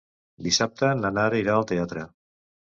Dissabte na Nara irà al teatre.